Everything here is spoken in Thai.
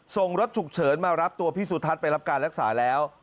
ส่งรถฉุกเฉินมารับตัวพี่สุทัศน์ไปรับการรักษาแล้ว